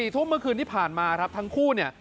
๔ทุ่มเมื่อคืนที่ผ่านมาทั้งคู่